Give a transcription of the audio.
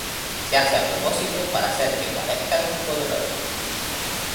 Se hace a propósito para hacer que parezcan poderosos.